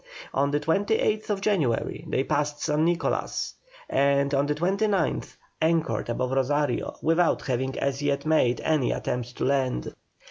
On the 28th January they passed San Nicolas, and on the 29th anchored above Rosario, without having as yet made any attempt to land.